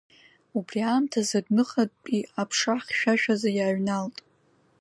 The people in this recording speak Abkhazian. Убри аамҭазы адәныҟантәи аԥша хьшәашәаӡа иааҩналт.